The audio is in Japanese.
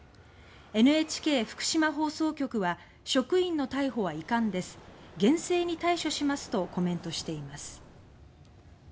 ＮＨＫ福島放送局は「職員の逮捕は遺憾です。厳正に対処します」とコメントしています。